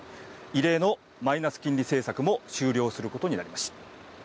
異例のマイナス金利政策も終了することになります。